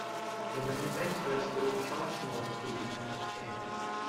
The manufacturers will charge more if we demand the change.